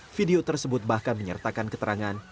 video tersebut bahkan menyertakan keterangan